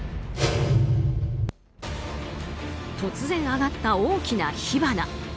突然上がった大きな火花。